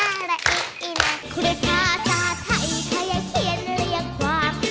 คุณกาซาไทยเขายังเขียนเรียกความ